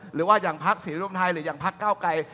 หรือว่าอย่างพักศรีรุมไทยหรืออย่างพักเก้าไกร